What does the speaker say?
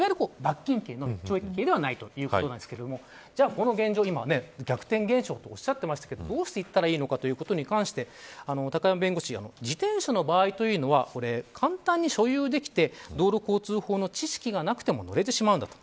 この現状、今、逆転現象とおっしゃっていましたけれどどうしていったらいいのかということに関して自転車の場合というのは簡単に所有できて道路交通法の知識がなくても乗れてしまうんだと。